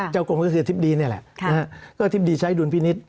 เจ้ากลมก็คือทิบดีนี่แหละก็ทิบดีใช้ดูลพินิศ